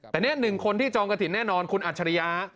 แต่นี่๑คนที่จองกระถิ่นแน่นอนคุณอัจฉริยะ